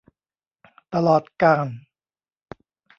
ตลอดกาล